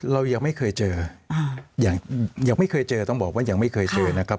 เรายังไม่เคยเจอยังไม่เคยเจอต้องบอกว่ายังไม่เคยเจอนะครับ